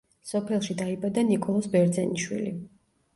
სოფელში დაიბადა ნიკოლოზ ბერძენიშვილი.